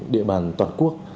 địa bàn toàn quốc